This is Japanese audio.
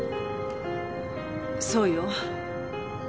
そうよ。